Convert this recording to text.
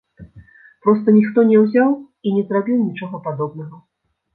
Проста ніхто не ўзяў і не зрабіў нічога падобнага!